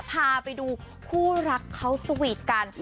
พาไปดูคู่รักเขาสวีทกัน